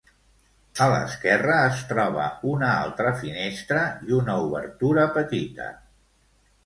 A l'esquerra es troba una altra finestra i una obertura petita.